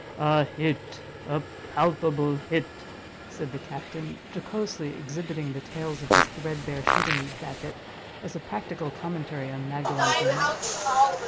"A hit—a palpable hit," said the captain, jocosely exhibiting the tails of his threadbare shooting jacket, as a practical commentary on Magdalen's remark.